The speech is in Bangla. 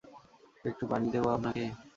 একটু পানি দেব আপনাকে?